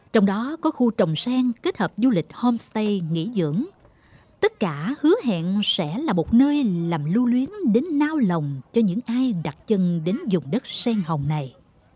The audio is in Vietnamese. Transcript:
trong đó có khu trồng sen kết hợp du lịch homestay nghỉ dưỡng tất cả hứa hẹn sẽ là một nơi làm lưu luyến đến nao lòng cho những ai đặt chân đến dùng đất sen hồng này